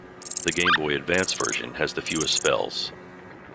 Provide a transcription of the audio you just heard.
The Game Boy Advance version has the fewest spells.